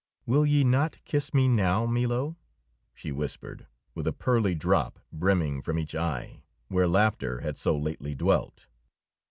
"Will ye not kiss me now, Milo?" she whispered, with a pearly drop brimming from each eye, where laughter had so lately dwelt.